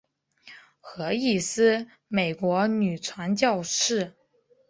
何义思美国女传教士。